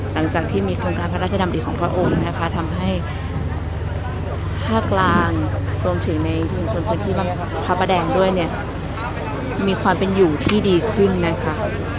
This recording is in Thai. หลังจากที่มีโครงการพระราชดำริของพระองค์นะคะทำให้ภาคกลางรวมถึงในชุมชนพื้นที่พระประแดงด้วยเนี่ยมีความเป็นอยู่ที่ดีขึ้นนะคะ